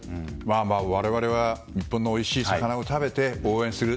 我々は、日本のおいしい魚を食べて応援する。